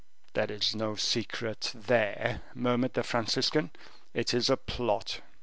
"There is no secret there," murmured the Franciscan, "it is a plot.